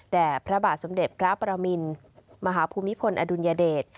พระบาทสมเด็จพระประมินมหาภูมิพลอดุลยเดช